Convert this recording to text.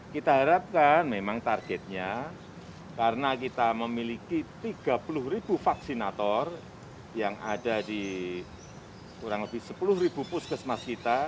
kita harapkan memang targetnya karena kita memiliki tiga puluh ribu vaksinator yang ada di kurang lebih sepuluh puskesmas kita